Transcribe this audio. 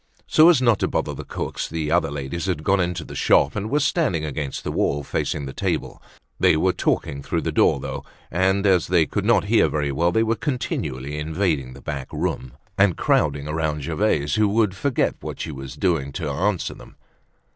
So as not to bother the cooks, the other ladies had gone into the shop and were standing against the wall facing the table. They were talking through the door though, and as they could not hear very well, they were continually invading the back room and crowding around Gervaise, who would forget what she was doing to answer them.